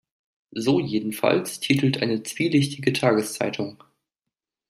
So jedenfalls titelt eine zwielichtige Tageszeitung.